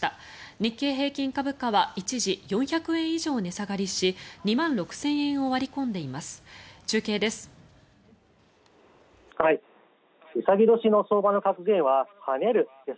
日経平均株価は一時４００円以上値下がりし２万６０００円を割り込んでいます。